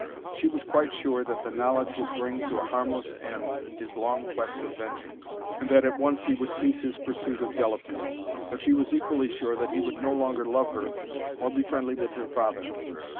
She was quite sure that the knowledge would bring to a harmless end his long quest of vengeance, and that at once he would cease his pursuit of Delafield. But she was equally sure that he would no longer love her or be friendly with her father.